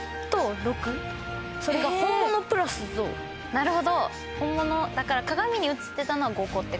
なるほど本物だから鏡に映ってたのは５個ってこと？